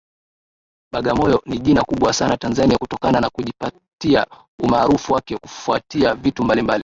Bagamoyo ni jina kubwa sana Tanzania kutokana na kujipatia umaarufu wake kufuatia vitu mbalimbali